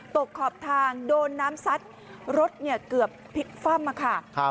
ตกขอบทางโดนน้ำซัดรถเกือบผิดฟ่ำ